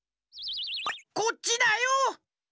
こっちだよ。